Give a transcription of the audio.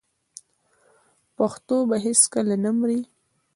پښتو به هیڅکله نه مري.